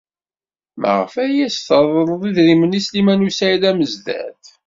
Maɣef ay as-treḍled idrimen i Sliman u Saɛid Amezdat?